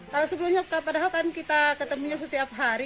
kalau sebelumnya padahal kan kita ketemunya setiap hari